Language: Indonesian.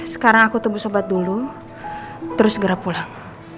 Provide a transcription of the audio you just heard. sekarang aku tunggu sobat dulu terus segera pulang